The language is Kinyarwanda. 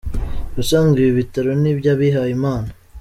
Ubusanzwe ibi bitaro ni iby’abihaye Imana.